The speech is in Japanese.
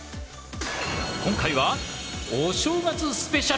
今回はお正月スペシャル！